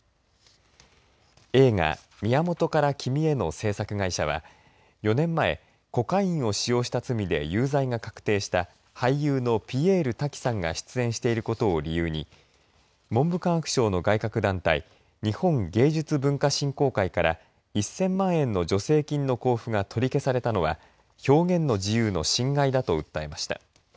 映画、宮本から君への制作会社は４年前、コカインを使用した罪で有罪が確定した俳優のピエール瀧さんが出演していることを理由に文部科学省の外郭団体日本芸術文化振興会から１０００万円の助成金の交付が取り消されたのは表現の自由の侵害だと訴えました。